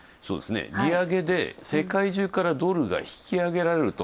利上げで世界中からドルが引きあげられられると。